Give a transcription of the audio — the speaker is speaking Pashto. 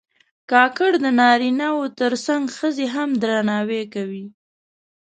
کاکړ د نارینه و تر څنګ ښځې هم درناوي کوي.